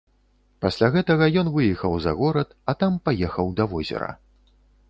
Пасля гэтага ён выехаў за горад, а там паехаў да возера.